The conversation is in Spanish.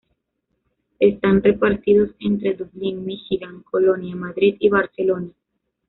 Están repartidos entre Dublín, Michigan, Colonia, Madrid y Barcelona.